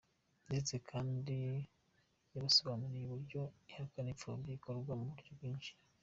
Ndetse kandi yabasobanuriye uburyo ihakana n’ifobya rikorwa mu buryo bwinshi.